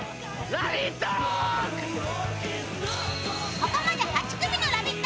ここまで８組のラヴィット！